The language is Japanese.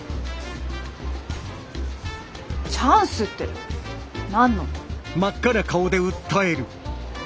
チャンスって何の？